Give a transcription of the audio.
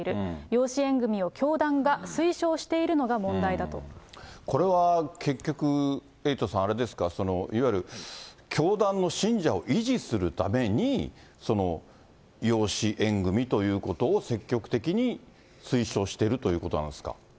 養子縁組を教団が推奨しているのこれは結局、エイトさん、いわゆる教団の信者を維持するために、養子縁組ということを積極的に推奨しているということなんですか。